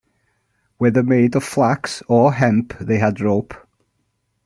Whether made of flax or hemp, they had rope.